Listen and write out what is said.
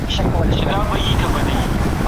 ښه کار هیڅکله نه ورکیږي.